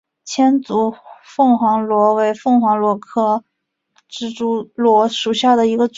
千足凤凰螺为凤凰螺科蜘蛛螺属下的一个种。